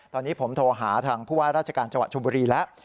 ตอนนี้ผมโทรหาทางผู้ว่าราชการจังหวัดชมบุรีแล้ว